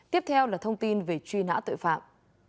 tiếp theo là thông tin về truy nã tội phạm